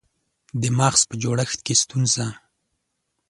د مغز په جوړښت کې ستونزه